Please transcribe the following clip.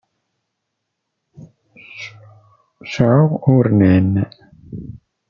Seεεuɣ urnan.